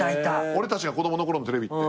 俺たちが子供の頃のテレビって。